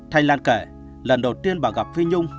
thanh lan kể lần đầu tiên bà gặp phi nhung